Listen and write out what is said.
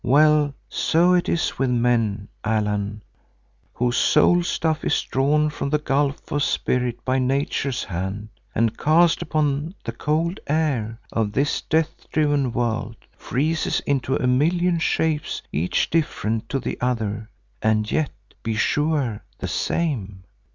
Well, so it is with men, Allan, whose soul stuff is drawn from the gulf of Spirit by Nature's hand, and, cast upon the cold air of this death driven world, freezes into a million shapes each different to the other and yet, be sure, the same.